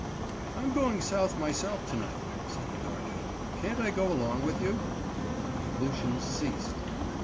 "I'm going South myself to night," said the darkey. "Can't I go along with you?" My ablutions ceased.